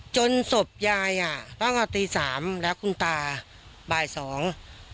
ศพยายอ่ะตั้งแต่ตีสามแล้วคุณตาบ่ายสอง